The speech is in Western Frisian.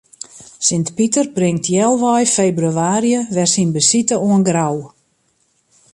Sint Piter bringt healwei febrewaarje wer syn besite oan Grou.